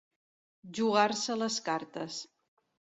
Jugar-se les cartes.